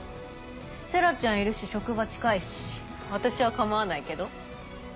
星来ちゃんいるし職場近いし私は構わないけど。